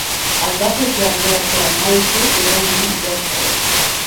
Es va associar amb George Grant Elmslie i, breument, amb George Feick.